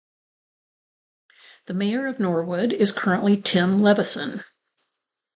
The mayor of Norwood is currently Tim Levison.